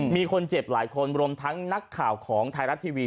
มีคนเจ็บหลายคนรวมทั้งนักข่าวของไทยรัฐทีวี